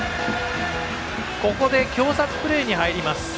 ここで挟殺プレーに入ります。